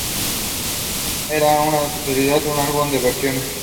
Es en su totalidad un álbum de versiones.